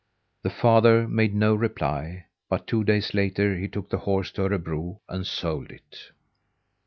The father made no reply, but two days later he took the horse to Örebro and sold it.